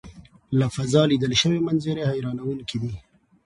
له فضا لیدل شوي منظرې حیرانوونکې دي.